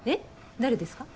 誰ですか？